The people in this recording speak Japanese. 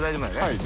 はい。